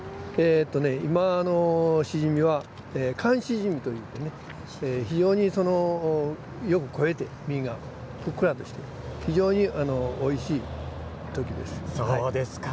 今のシジミは寒しじみといって非常によく肥えて身がふっくらとして非常においしい時です。